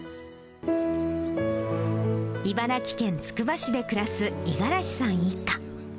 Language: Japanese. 茨城県つくば市で暮らす五十嵐さん一家。